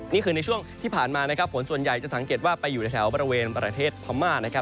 นี่คือในช่วงที่ผ่านมานะครับฝนส่วนใหญ่จะสังเกตว่าไปอยู่ในแถวบริเวณประเทศพม่านะครับ